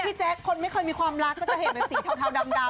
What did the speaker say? แจ๊คคนไม่เคยมีความรักก็จะเห็นเป็นสีเทาดำ